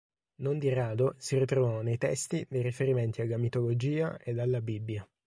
Non di rado si ritrovano nei testi dei riferimenti alla mitologia ed alla Bibbia.